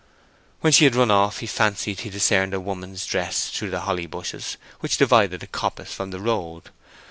When she had run off he fancied he discerned a woman's dress through the holly bushes which divided the coppice from the road.